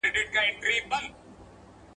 سالم ذهن خوښي نه ځنډوي.